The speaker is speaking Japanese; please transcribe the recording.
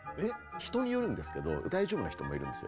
人によるんですけど大丈夫な人もいるんですよ。